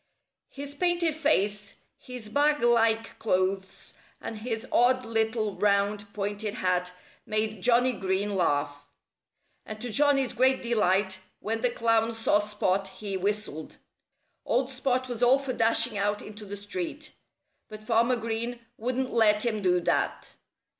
His painted face, his bag like clothes, and his odd little round, pointed hat made Johnnie Green laugh. And to Johnnie's great delight, when the clown saw Spot he whistled. Old Spot was all for dashing out into the street. But Farmer Green wouldn't let him do that.